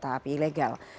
senjata api ilegal